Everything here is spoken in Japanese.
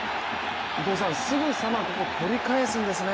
すぐさま、ここ、取り返すんですね。